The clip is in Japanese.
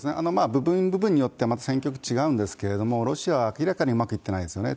部分部分によって、また戦局違うんですけれども、ロシアは明らかにうまくいってないですね。